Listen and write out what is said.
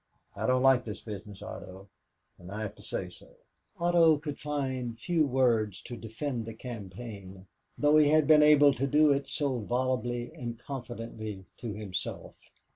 I don't like this business, Otto, and I have to say so." And Otto could find few words to defend the campaign though he had been able to do it so volubly and confidently to himself.